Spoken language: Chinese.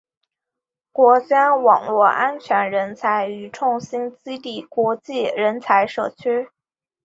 国家网络安全人才与创新基地国际人才社区